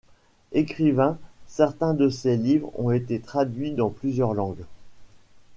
Écrivain, certains de ses livres ont été traduits dans plusieurs langues.